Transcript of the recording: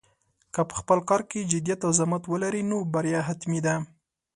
که په خپل کار کې جدیت او زحمت ولرې، نو بریا حتمي ده.